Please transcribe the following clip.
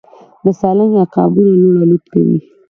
د سالنګ عقابونه لوړ الوت کوي